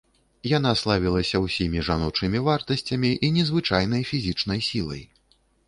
Яна славілася ўсімі жаночымі вартасцямі і незвычайнай фізічнай сілай.